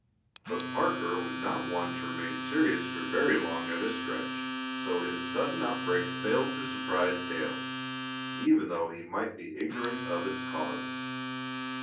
But Parker was not one to remain serious for very long at a stretch, so his sudden outbreak failed to surprise Dale, even though he might be ignorant of its cause.